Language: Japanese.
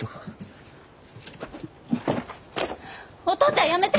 お父ちゃんやめて！